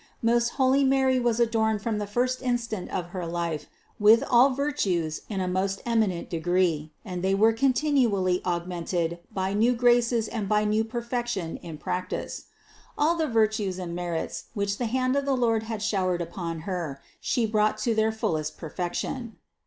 Most holy Mary was adorned from the first instant of her life with all virtues in a most eminent degree, and they were continually augmented by new graces and by new perfection in practice. All the virtues and merits, which the hand of the Lord had showered upon Her, She brought to their fullest perfection.